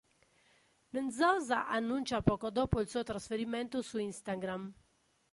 Nzosa annuncia poco dopo il suo trasferimento su Instagram.